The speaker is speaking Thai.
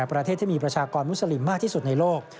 ประเทศที่มีประชากรมุสลิมมากที่สุดในโลก